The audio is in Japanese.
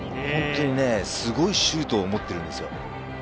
本当にすごいシュートを持っているんですよ。